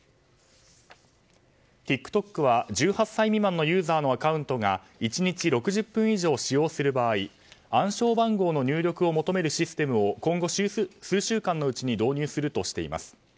ＴｉｋＴｏｋは、１８歳未満のユーザーのアカウントが１日６０分以上使用する場合暗証番号の入力を求めるシステムを今後、数週間のうちに導入するとしています。